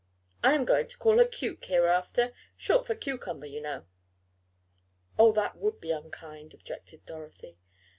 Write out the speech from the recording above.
I am going to call her 'Cuke' hereafter! Short for cucumber, you know." "Oh, that would be unkind," objected Dorothy.